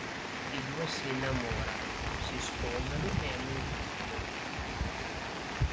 I due si innamorano, si sposano e hanno un figlio.